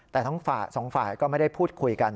แต่ทั้งสองฝ่ายก็ไม่ได้พูดคุยกัน